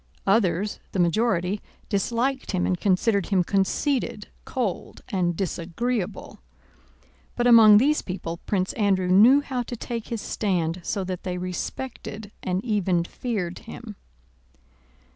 Others, the majority, disliked him and considered him conceited, cold, and disagreeable. But among these people Prince Andrew knew how to take his stand so that they respected and even feared him.